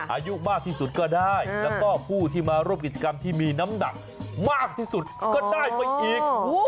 อายุมากที่สุดก็ได้แล้วก็ผู้ที่มาร่วมกิจกรรมที่มีน้ำหนักมากที่สุดก็ได้มาอีก